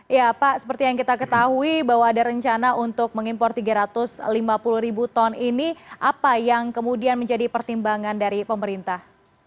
ya pak seperti yang kita ketahui bahwa ada rencana untuk mengimpor tiga ratus lima puluh ribu ton ini apa yang kemudian menjadi pertimbangan dari pemerintah